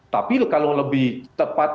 tapi kalau lebih tepat